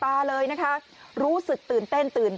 อำเภอไซน้อยจังหวัดนนทบุรี